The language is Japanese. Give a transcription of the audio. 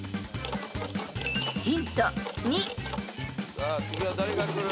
さあ次は誰が来る？